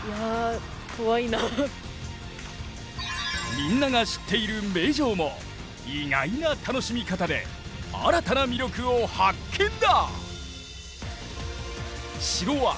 みんなが知っている名城も意外な楽しみ方で新たな魅力を発見だ！